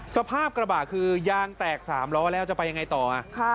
สภาพกระบะคือยางแตก๓ล้อแล้วจะไปยังไงต่อ